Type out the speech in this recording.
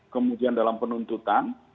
kemudian dalam penuntutan